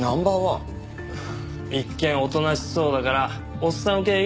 一見おとなしそうだからおっさん受けがいいんすよ。